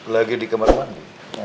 lagi di kamar mandi